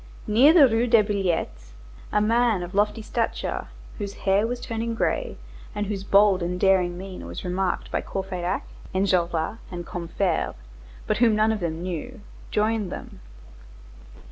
Near the Rue des Billettes, a man of lofty stature, whose hair was turning gray, and whose bold and daring mien was remarked by Courfeyrac, Enjolras, and Combeferre, but whom none of them knew, joined them.